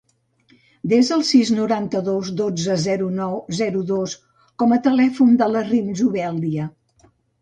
Desa el sis, noranta-dos, dotze, zero, nou, zero, dos com a telèfon de la Rim Zubeldia.